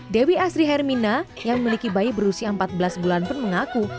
dewi asri hermina yang memiliki bayi berusia empat belas bulan pun mengaku